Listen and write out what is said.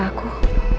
ya aku juga